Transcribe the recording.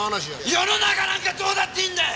世の中なんかどうだっていいんだよ！